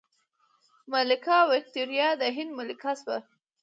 ملکه ویکتوریا د هند ملکه شوه.